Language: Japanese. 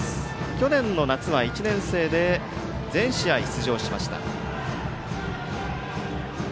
去年の夏は１年生で全試合、出場しました。